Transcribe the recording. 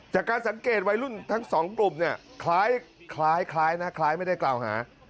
จากการสังเกตวัยรุ่นทั้งสองกลุ่มเนี่ยคล้ายนะคล้ายไม่ได้กล่าวหา